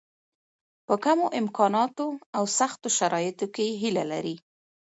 په کمو امکاناتو او سختو شرایطو کې هیله لري.